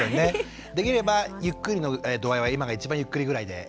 できればゆっくりの度合いは今が一番ゆっくりぐらいで。